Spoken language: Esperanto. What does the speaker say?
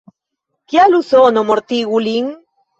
Kial Usono mortigu lin?